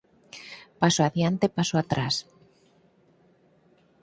Paso adiante, paso atrás